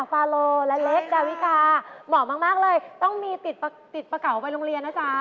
ฟาโลและเล็กดาวิกาเหมาะมากเลยต้องมีติดประเก่าไปโรงเรียนนะจ๊ะ